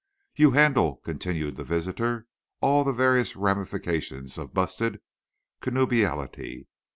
"You handle," continued the visitor, "all the various ramifications of busted up connubiality.